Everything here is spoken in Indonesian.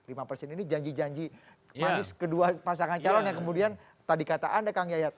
ini janji janji manis kedua pasangan calon yang kemudian tadi kata anda kang yayat